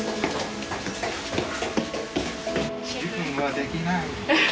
自分はできない。